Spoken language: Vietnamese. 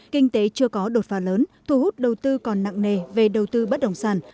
kinh tế chưa có đột phá lớn thu hút đầu tư còn nặng nề về đầu tư bất đồng sản